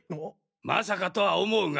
まさかとは思うが。